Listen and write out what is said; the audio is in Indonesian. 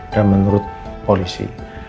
dan menurut polisi